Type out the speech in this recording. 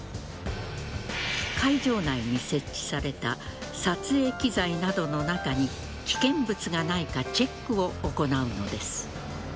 会場内に設置された撮影機材などの中に危険物がないかチェックを行うのです。